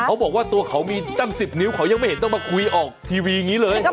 เขาบอกว่าตัวเขามีตั้ง๑๐นิ้วเขายังไม่เห็นต้องมาคุยออกทีวีอย่างนี้เลย